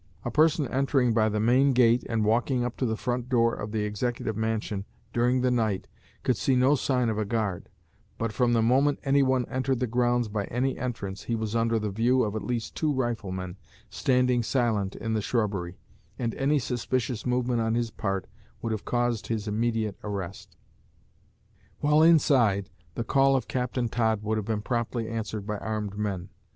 A person entering by the main gate and walking up to the front door of the Executive Mansion during the night could see no sign of a guard; but from the moment anyone entered the grounds by any entrance, he was under the view of at least two riflemen standing silent in the shrubbery, and any suspicious movement on his part would have caused his immediate arrest; while inside, the call of Captain Todd would have been promptly answered by armed men.